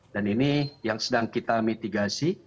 dan ini yang sedang kita mitigasi